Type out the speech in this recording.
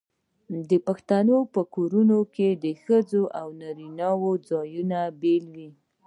د پښتنو په کورونو کې د ښځو او نارینه وو ځایونه بیل وي.